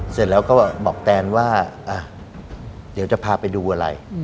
เสร็จแล้วก็บอกแตนว่าเดี๋ยวจะพาไปดูอะไร